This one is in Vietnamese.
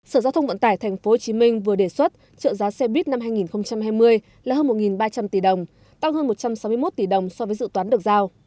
sở giao thông vận tải tp hcm vừa đề xuất trợ giá xe buýt năm hai nghìn hai mươi là hơn một ba trăm linh tỷ đồng tăng hơn một trăm sáu mươi một tỷ đồng so với dự toán được giao